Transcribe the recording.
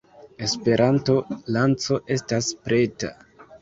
Esperanto-lanĉo estas preta